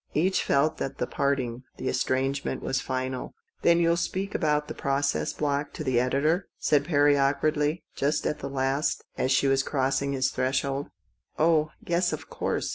Each felt that the parting was more or less final. "Then you'll speak about that process block to the editor ?" said Perry awkwardly, just at the last, as she was crossing his threshold. " Oh, yes, of course.